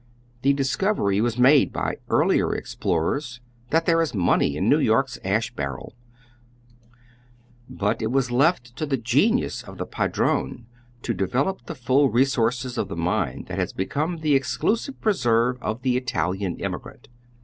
The discovery was made by earlier explorers that there is money in Xew "fork's ash harrel, but it was left to the genius of the padrone to develop the full resources of the mine that has become the exclusive preserve of the Itidlan immigrant.